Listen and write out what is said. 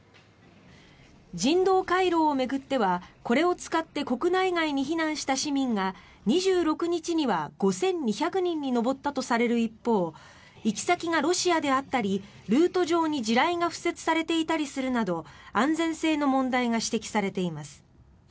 人道回廊を巡ってはこれを使って国内外に避難した市民が２６日は５２００人に上ったとされる一方行き先がロシアであったりルート上に地雷が敷設されたりしているなど安全性の問題が指摘されています。